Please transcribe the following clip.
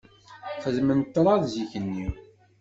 Xedmen ṭrad zik-nni.